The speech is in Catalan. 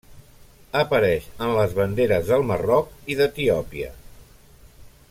Apareix en les banderes del Marroc i d'Etiòpia.